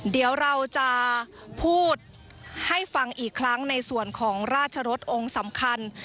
เดี๋ยวเราจะพูดให้ฟังอีกครั้งในส่วนของราชรสองค์สำคัญ